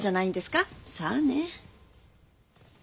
さあね。